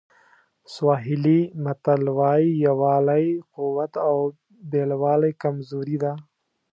سواهیلي متل وایي یووالی قوت او بېلوالی کمزوري ده.